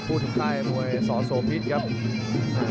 ผู้ถึงท่ายมวยสอโสพิษครับ